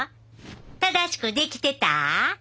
正しくできてた？